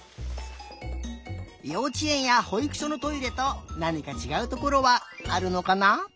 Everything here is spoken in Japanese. ようちえんやほいくしょのトイレとなにかちがうところはあるのかな？